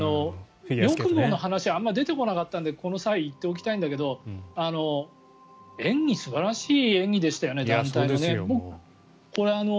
よくもの話あまり出てこなかったんだけどこの際、言っておきたいんだけど演技、素晴らしい演技でしたよね。